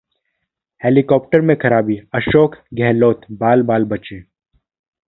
helicopter में खराबी, अशोक गहलोत बाल-बाल बचे